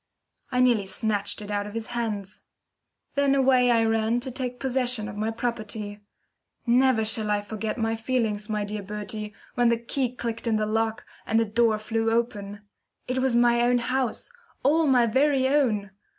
I nearly snatched it out of his hands. Then away I ran to take possession of my property. Never shall I forget my feelings, my dear Bertie, when the key clicked in the lock, and the door flew open. It was my own house all my very own!